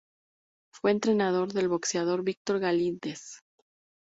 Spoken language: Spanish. Fue entrenador del boxeador Víctor Galíndez.